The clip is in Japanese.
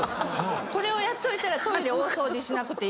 これをやっといたらトイレ大掃除しなくていいから。